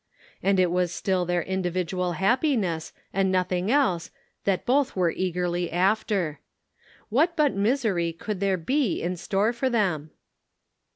And it was still their individual happiness, and noth ing else, that both were eagerly after. What but misery could there be in store for them